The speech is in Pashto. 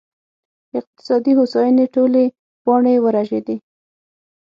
اقتصادي هوساینې ټولې پاڼې ورژېدې